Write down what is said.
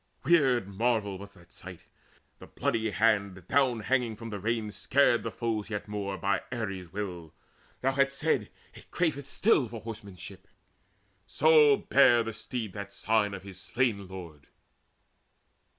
Weird marvel was that sight, The bloody hand down hanging from the rein, Scaring the foes yet more, by Ares' will. Thou hadst said, "It craveth still for horsemanship!" So bare the steed that sign of his slain lord.